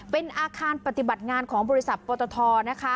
เป็นอาคารปฏิบัติงานของบริษัทปตทนะคะ